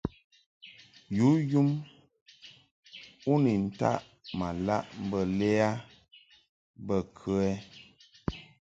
Yǔ yum u ni taʼ ma laʼ mbə lɛ a bə kə ɛ ?